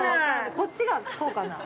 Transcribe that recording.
◆こっちがこうかな。